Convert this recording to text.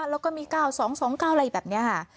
แล้วก็มี๙๒๒๙อะไรแบบนี้ค่ะ